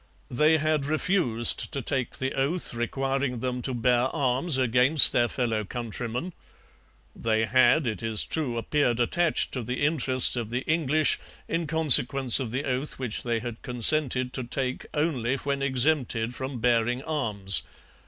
They had refused to take the oath requiring them to bear arms against their fellow countrymen. They had, it is true, appeared attached to the interests of the English, in consequence of the oath which they had consented to take only when exempted from bearing arms.